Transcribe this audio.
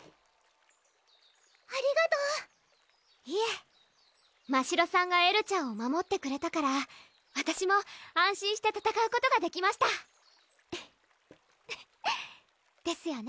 ありがとういえましろさんがエルちゃんを守ってくれたからわたしも安心して戦うことができましたですよね？